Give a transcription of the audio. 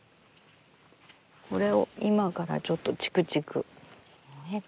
これを今からちょっとちくちく。